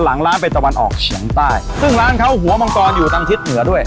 หลังร้านเป็นตะวันออกเฉียงใต้ซึ่งร้านเขาหัวมังกรอยู่ทางทิศเหนือด้วย